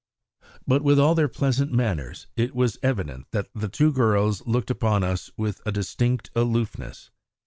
But with all their pleasant manners it was evident the two girls looked upon us with a distinct aloofness.